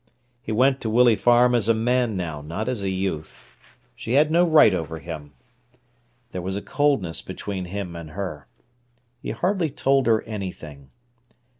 He went to Willey Farm as a man now, not as a youth. She had no right over him. There was a coldness between him and her. He hardly told her anything.